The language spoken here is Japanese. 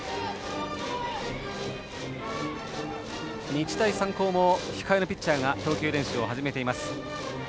日大三高も控えのピッチャーが投球練習を始めています。